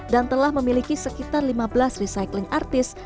dan telah memiliki sekitar lima belas recycling artist